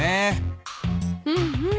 うんうん。